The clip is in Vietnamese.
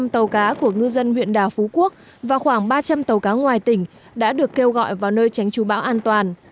hai sáu trăm linh tàu cá của ngư dân huyện đảo phú quốc và khoảng ba trăm linh tàu cá ngoài tỉnh đã được kêu gọi vào nơi tránh chú báo an toàn